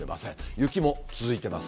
雪も続いています。